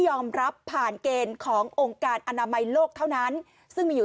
ผ่านเกณฑ์ขององค์การอนามัยโลกเท่านั้นซึ่งมีอยู่